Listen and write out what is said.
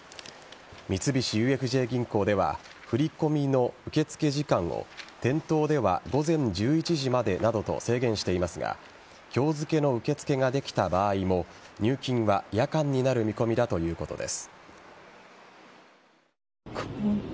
三菱ＵＦＪ銀行では振り込みの受け付け時間を店頭では午前１１時までなどと制限していますが今日付の受け付けができた場合も入金は夜間になる見込みだということです。